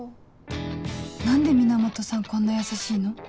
何で源さんこんな優しいの？